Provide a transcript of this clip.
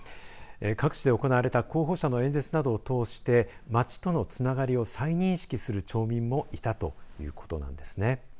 各地で行われた候補者の演説などを通して町とのつながりを再認識する町民もいたということなんですね。